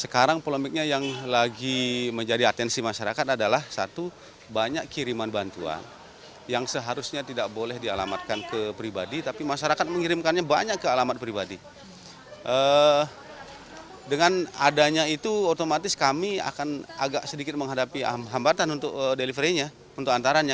kami juga sedikit menghadapi hambatan untuk delivery nya untuk antaranya